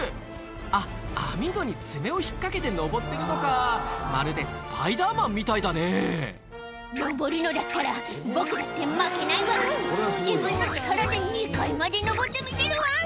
あっ網戸に爪を引っ掛けて登ってるのかまるでスパイダーマンみたいだねぇ「登るのだったら僕だって負けないワン」「自分の力で２階まで登ってみせるワン！」